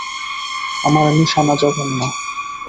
আমার নিশানা জঘন্য।